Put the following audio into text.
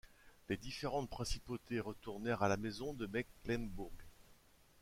Les différentes principautés retournèrent à la maison de Mecklembourg.